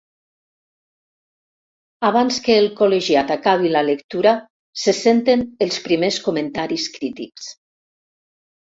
Abans que el col·legiat acabi la lectura se senten els primers comentaris crítics.